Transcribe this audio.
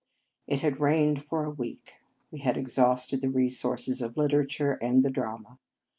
It had rained for a week. We had exhausted the resources of literature and the drama.